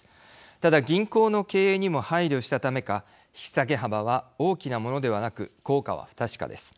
ただ銀行の経営にも配慮したためか引き下げ幅は大きなものではなく効果は不確かです。